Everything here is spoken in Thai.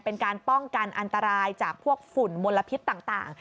เป็นการป้องกันอันตรายจากพวกฝุ่นมลพิษต่าง